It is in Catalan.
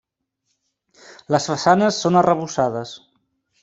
Les façanes són arrebossades.